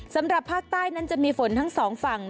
สำหรับภาคใต้นั้นจะมีฝนทั้งสองฝั่ง